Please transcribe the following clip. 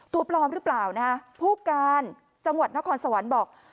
ตัวปลอมหรือเปล่านะฮะผู้การจังหวัดนครสวรรค์บอก